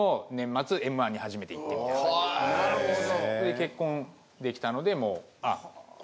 結婚できたのでもうあっ。